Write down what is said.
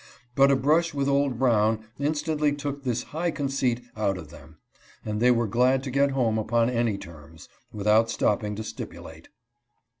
But a brush with old Brown instantly took this high conceit out of them, and they were glad to get home upon any terms, without stopping to stipulate.